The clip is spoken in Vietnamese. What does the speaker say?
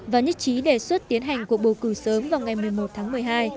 và nhất trí đề xuất tiến hành cuộc bầu cử sớm vào ngày một mươi một tháng một mươi hai